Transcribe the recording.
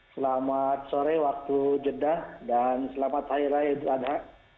selamat sore waktu jeddah dan selamat hari raya idul adha